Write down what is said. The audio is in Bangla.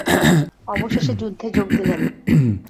অবশেষে যুদ্ধে যোগ দিলেন।